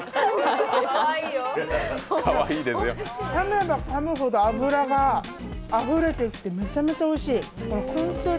かめばかむほど脂があふれてきてめちゃくちゃおいしい。